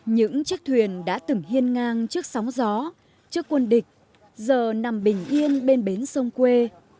những chiếc thuyền đã từng hiên ngang trước sóng gió trước quân địch giờ nằm bình yên bên bến sông quê